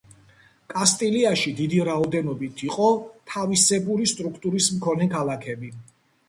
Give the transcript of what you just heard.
კასტილიაში დიდი რაოდენობით იყო თავისებური სტრუქტურის მქონე ქალაქები.